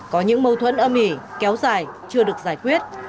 có những mâu thuẫn âm ỉ kéo dài chưa được giải quyết